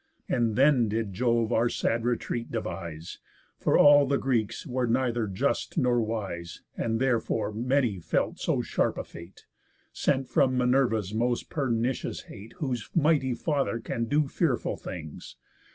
And then did Jove our sad retreat devise; For all the Greeks were neither just nor wise, And therefore many felt so sharp a fate, Sent from Minerva's most pernicious hate; Whose mighty Father can do fearful things.